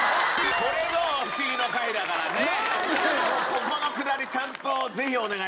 ここのくだりちゃんとぜひお願いしたい。